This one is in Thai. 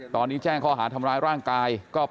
ตอนนี้แจ้งคอหาทำร้ายร่างกายก็ปล่อยไปตามศิษย์